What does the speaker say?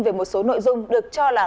về một số nội dung được cho là